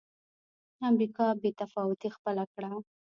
امریکا بې تفاوتي خپله کړه.